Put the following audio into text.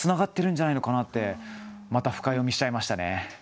また深読みしちゃいましたね。